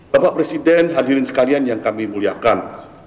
bapak presiden hadirin sekalian yang kami muliakan